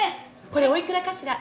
これおいくらかしら？